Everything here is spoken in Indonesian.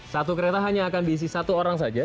satu kereta hanya akan diisi satu orang saja